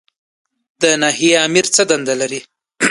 د ناحیې آمر څه دنده لري؟